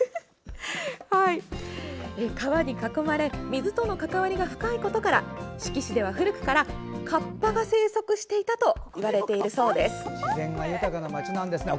川に囲まれ水との関わりが深いことから志木市では古くからカッパが生息していたといわれているそうです。